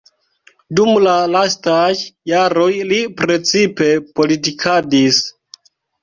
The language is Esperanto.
Dum la lastaj jaroj li precipe politikadis.